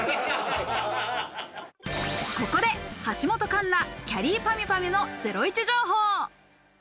ここで橋本環奈、きゃりーぱみゅぱみゅのゼロイチ情報。